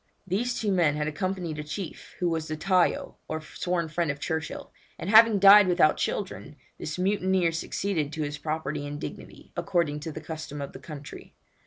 These two men had accompanied a chief, who was the tayo, or sworn friend, of Churchill, and having died without children, this mutineer succeeded to his property and dignity, according to the custom of the country.